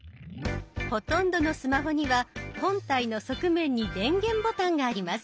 ほとんどのスマホには本体の側面に電源ボタンがあります。